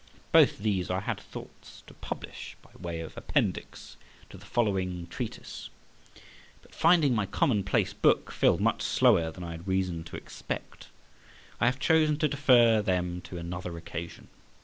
Both these I had thoughts to publish by way of appendix to the following treatise; but finding my common place book fill much slower than I had reason to expect, I have chosen to defer them to another occasion.